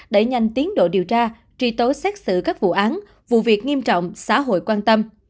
đẩy nhanh tiến độ điều tra truy tố xét xử các vụ án vụ việc nghiêm trọng xã hội quan tâm